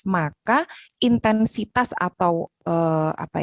maka intensitasnya akan meningkatkan